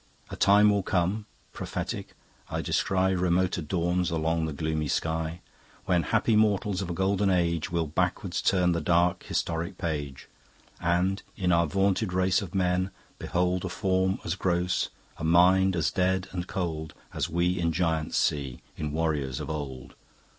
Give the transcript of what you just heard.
A time will come (prophetic, I descry Remoter dawns along the gloomy sky), When happy mortals of a Golden Age Will backward turn the dark historic page, And in our vaunted race of Men behold A form as gross, a Mind as dead and cold, As we in Giants see, in warriors of old.